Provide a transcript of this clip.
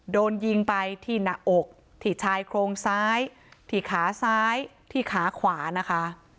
โดนยิงไปที่หน้าอกที่ชายโครงซ้ายที่ขาซ้ายที่ขาขวานะคะ